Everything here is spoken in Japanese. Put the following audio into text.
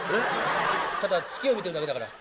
ただ月を見てるだけだから。